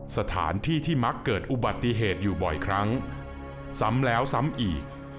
สถานที่ที่มักเกิดอุบัติเหตุอยู่บ่อยครั้งซ้ำแล้วซ้ำอีก